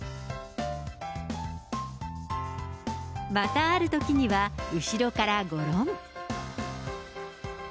また、あるときには、後ろからごろん。